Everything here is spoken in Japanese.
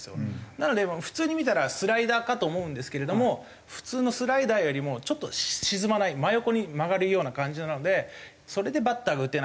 なので普通に見たらスライダーかと思うんですけれども普通のスライダーよりもちょっと沈まない真横に曲がるような感じなのでそれでバッターが打てない。